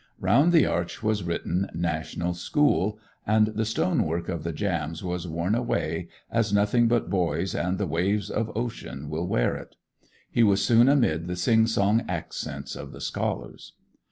Round the arch was written 'National School,' and the stonework of the jambs was worn away as nothing but boys and the waves of ocean will wear it. He was soon amid the sing song accents of the scholars.